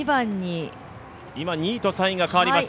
今、２位と３位が代わります。